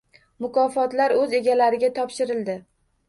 Mukofotlar o‘z egalariga topshirildi